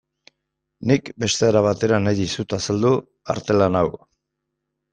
Nik beste era batera nahi dizut azaldu artelan hau.